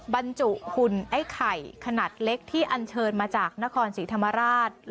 บรรจุหุ่นไอ้ไข่ขนาดเล็กที่อันเชิญมาจากนครศรีธรรมราช